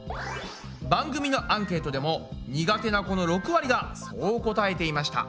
番組のアンケートでも苦手な子の６割がそう答えていました。